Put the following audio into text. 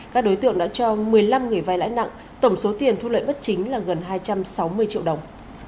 các đối tượng đã cho một mươi năm người vai lãi nặng tổng số tiền thu lợi bất chính là gần hai trăm sáu mươi triệu đồng